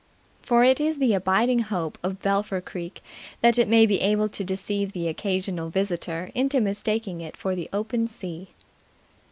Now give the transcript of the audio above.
For it is the abiding hope of Belpher Creek that it may be able to deceive the occasional visitor into mistaking it for the open sea.